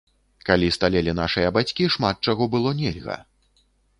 Калі сталелі нашыя бацькі, шмат чаго было нельга.